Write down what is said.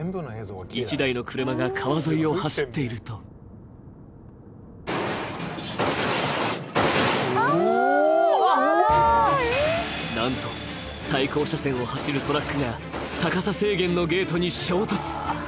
１台の車が川沿いを走っているとなんと対向車線を走るトラックが高さ制限のゲートに衝突。